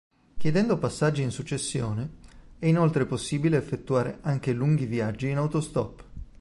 Chiedendo passaggi in successione, è inoltre possibile effettuare anche lunghi viaggi in autostop.